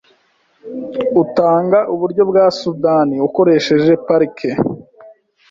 utanga uburyo bwa Sudani ukoresheje parike.